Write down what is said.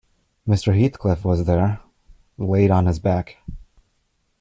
Mr. Heathcliff was there — laid on his back.